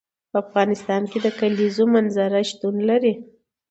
په افغانستان کې د کلیزو منظره شتون لري.